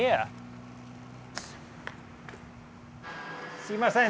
すみません。